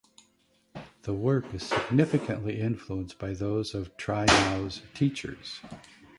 The work is significantly influenced by those of Tyrnau's teachers.